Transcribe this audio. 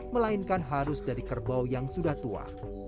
melainkan harus dari kerbau yang sudah tua